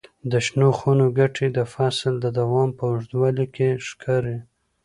د شنو خونو ګټې د فصل د دوام په اوږدوالي کې ښکاري.